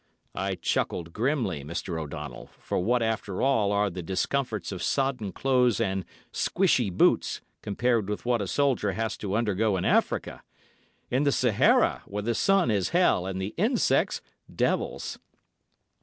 I chuckled grimly, Mr. O'Donnell, for what after all are the discomforts of sodden clothes and squishy boots compared with what a soldier has to undergo in Africa—in the Sahara, where the sun is hell and the insects—devils.